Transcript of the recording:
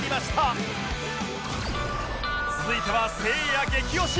続いてはせいや激推し！